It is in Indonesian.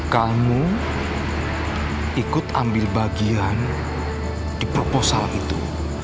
kamu ikut ambil bagian di proposal itu